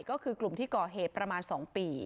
ก็คือกลุ่มที่ก่อเหตุประมาณ๒ปี